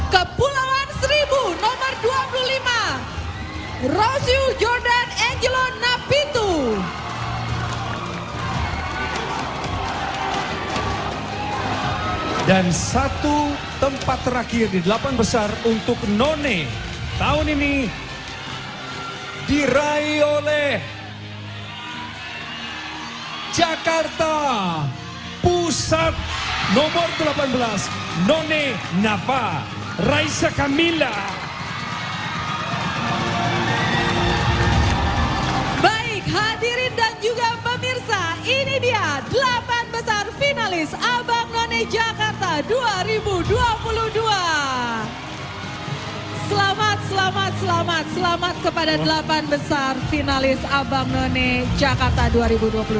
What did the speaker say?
kepulauan seribu nomor dua puluh lima